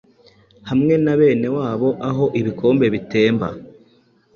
hamwe na benewabo aho ibikombe bitemba